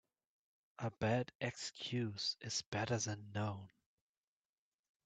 A bad excuse is better then none.